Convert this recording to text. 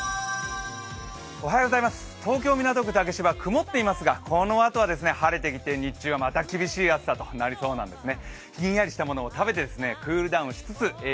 東京・港区竹芝曇っていますが、このあとは晴れてきて、日中はまた厳しい暑さとなりそうなんですね。